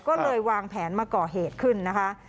ก็เลยวางแผนมาก่อเหตุขึ้นนะคะ